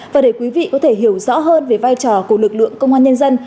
và để quý vị có thể hiểu rõ hơn về vai trò của lực lượng công an nhân dân